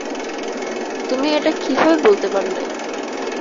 তুমি এটা কিভাবে বলতে পারলে?